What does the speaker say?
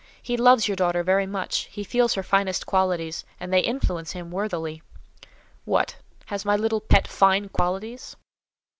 He loves your daughter very much; he feels her finest qualities, and they influence him worthily." "What! has my little pet 'fine qualities?